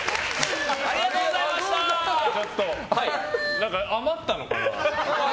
何か、余ったのかな？